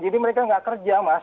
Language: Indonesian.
jadi mereka tidak kerja mas